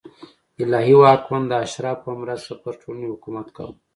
الهي واکمن د اشرافو په مرسته پر ټولنې حکومت کاوه